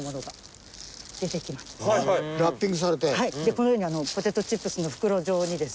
このようにポテトチップスの袋状にですね